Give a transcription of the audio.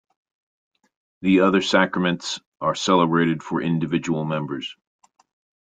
The other sacraments are celebrated for individual members.